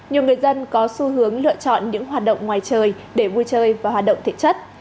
nhiều người dân có xu hướng lựa chọn những hoạt động ngoài trời để vui chơi và hoạt động thể chất